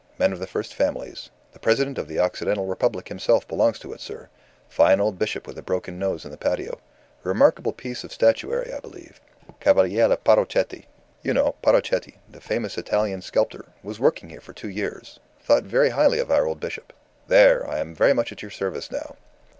Men of the first families. The President of the Occidental Republic himself belongs to it, sir. Fine old bishop with a broken nose in the patio. Remarkable piece of statuary, I believe. Cavaliere Parrochetti you know Parrochetti, the famous Italian sculptor was working here for two years thought very highly of our old bishop. ... There! I am very much at your service now."